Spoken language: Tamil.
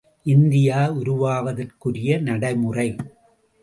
இந்தியா உருவாவதற்குரிய நடைமுறை.